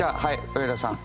上田さん。